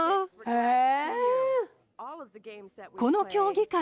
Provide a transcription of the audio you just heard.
へえ。